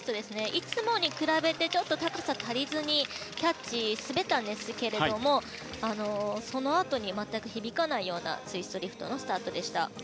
いつもに比べてちょっと高さが足りずにキャッチが滑ったんですがそのあとに、全く響かないようなツイストリフトのスタートでした。